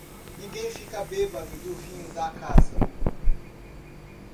Ninguém fica bêbado do vinho da casa.